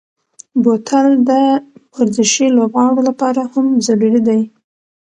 بوتل د ورزشي لوبغاړو لپاره هم ضروري دی.